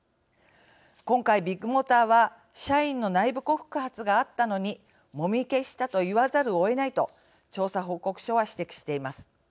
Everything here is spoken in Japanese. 今回、ビッグモーターは社員の内部告発があったのにもみ消したと言わざるをえないと調査報告書は指摘しています。